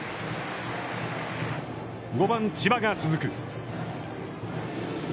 ５番千葉が続く。